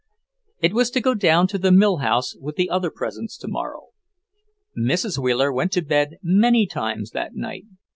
It was to go down to the mill house with the other presents tomorrow. Mrs. Wheeler went to bed many times that night.